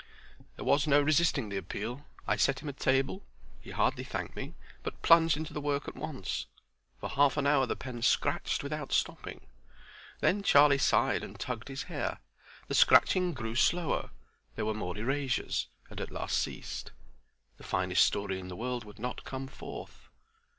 There was no resisting the appeal. I set him a table; he hardly thanked me, but plunged into the work at once. For half an hour the pen scratched without stopping. Then Charlie sighed and tugged his hair. The scratching grew slower, there were more erasures, and at last ceased. The finest story in the world would not come forth.